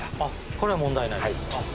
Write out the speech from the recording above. これは問題ない？